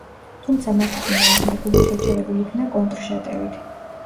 თუმცა მათი წინააღმდეგობა შეჩერებულ იქნა კონტრშეტევით.